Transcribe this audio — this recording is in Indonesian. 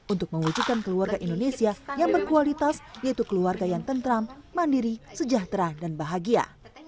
untuk mewujudkan keluarga indonesia yang berkualitas yaitu keluarga yang tentram mandiri sejahtera dan bahagia